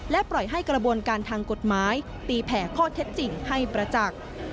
ปล่อยให้กระบวนการทางกฎหมายตีแผ่ข้อเท็จจริงให้ประจักษ์